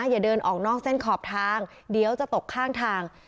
อย่าเดินออกนอกเส้นขอบทางเดี๋ยวจะตกข้างทาง